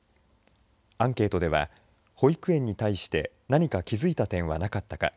アンケートでは、保育園に対して何か気付いた点はなかったか。